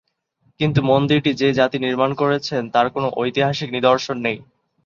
কিন্তু মন্দিরটি যে যযাতি নির্মাণ করেছেন তার কোন ঐতিহাসিক নিদর্শন নেই।